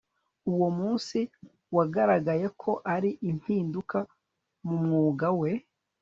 Uwo munsi wagaragaye ko ari impinduka mu mwuga we